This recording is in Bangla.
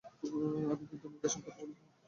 আমি কি তোমাকে এসব করতে বলেছিলাম?